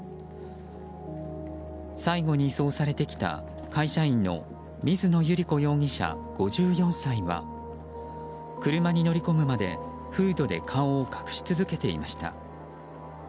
最後に移送されてきた、会社員の水野有里子容疑者、５４歳は車に乗り込むまでフードで顔を隠し続けていました。